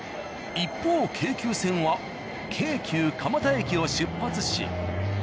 一方京急線は京急蒲田駅を出発し。